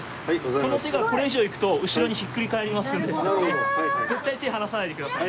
この手がこれ以上いくと後ろにひっくり返りますので絶対手離さないでください。